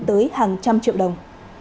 tới hàng trăm triệu đồng